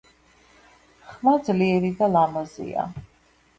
ხმა ძლიერი და ლამაზია.